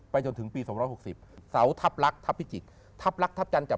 ไปจนถึงปี๒๖๐สาวทับรักษ์ทับพิจิกทับรักษ์ทับจันกับ